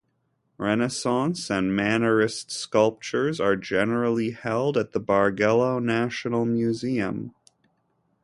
Renaissance and Mannerist sculptures are generally held at the Bargello National Museum.